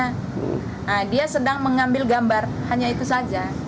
nah dia sedang mengambil gambar hanya itu saja